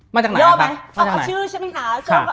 อ้อมาจากไหนค่ะ